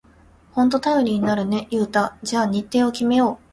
ほんと頼りになるね、ユウタ。じゃあ日程を決めよう！